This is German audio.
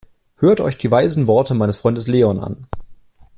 Hört euch die weisen Worte meines Freundes Leon an!